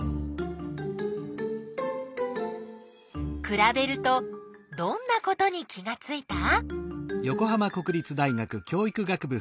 くらべるとどんなことに気がついた？